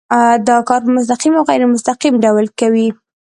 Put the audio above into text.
دا کار په مستقیم او غیر مستقیم ډول کوي.